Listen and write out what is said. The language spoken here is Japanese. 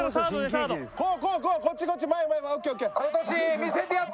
見せてやって！